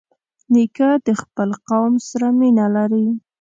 نیکه د خپل قوم سره مینه لري.